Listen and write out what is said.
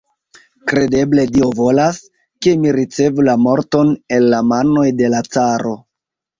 Kredeble Dio volas, ke mi ricevu la morton el la manoj de la caro.